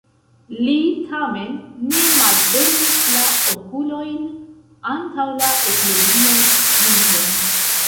Li tamen ne malfermis la okulojn antaŭ la eklezian krizon.